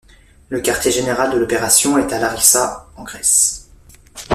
Le Quartier général de l'Opération est à Larissa en Grèce.